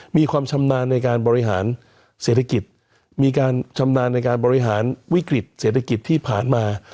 มีความชำนาญในการบริหารเศรษฐกิจมีการชำนาญในการบริหารวิกฤตเศรษฐกิจที่ผ่านมา